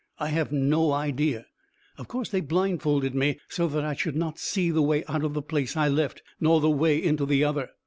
"I have no idea. Of course they blindfolded me, so that I should not see the way out of the place I left, nor the way into the other."